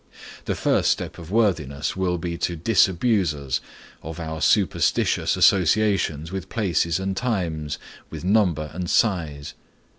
The first step of worthiness will be to disabuse us of our superstitious associations with places and times, with number and size.